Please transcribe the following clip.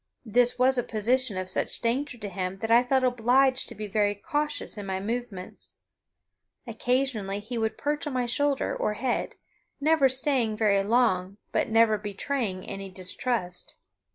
This was a position of such danger to him that I felt obliged to be very cautious in my movements. Occasionally he would perch on my shoulder or head, never staying very long but never betraying any distrust.